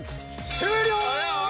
終了！